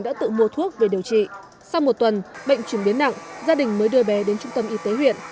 sau một tuần bệnh chuyển biến nặng gia đình mới đưa bé đến trung tâm y tế huyện